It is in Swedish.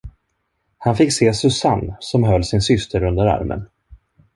Han fick se Susanne, som höll sin syster under armen.